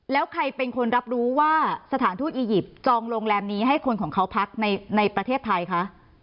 แล้วใครเป็นคนรับรู้ว่าสถานทูตอียิปต์จองโรงแรมนี้ให้คนของเขาพักในประเทศไทยคะ